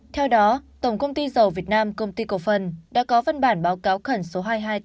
theo đó tổng công ty dầu việt nam công ty cổ phần đã có văn bản báo cáo khẩn số hai nghìn hai trăm tám mươi bốn